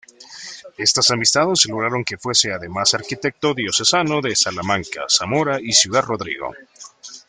Estas amistades lograron que fuese además arquitecto diocesano de Salamanca, Zamora y Ciudad Rodrigo.